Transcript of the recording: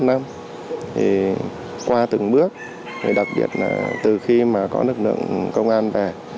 thì qua từng bước đặc biệt là từ khi mà có lực lượng công an về